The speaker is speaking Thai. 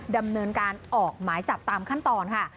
ดำเนินการออกหมายจับตามขั้นตอนค่ะ